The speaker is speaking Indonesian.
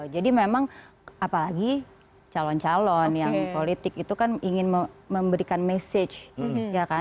jadi memang apalagi calon calon yang politik itu kan ingin memberikan message